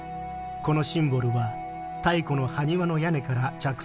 このシンボルは太古の『埴輪』の屋根から着想を得た。